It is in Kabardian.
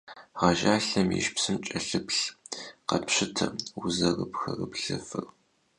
Ğejjalhem yijj psım ç'elhıplh, khepşıte vuzerıpxrıplhıfır.